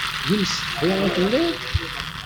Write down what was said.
D imsetḥi i telliḍ?